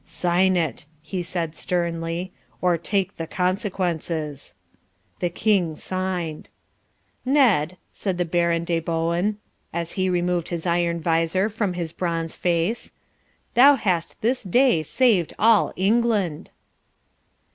"'Sign it,' he said sternly, 'or take the consequences.' "The King signed. "'Ned,' said the Baron de Bohun, as he removed his iron vizor from his bronze face, 'thou hast this day saved all England.'"